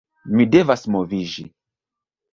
Mi devas moviĝi